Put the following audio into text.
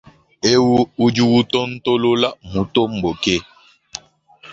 Eu udi utontolola, mutomboke.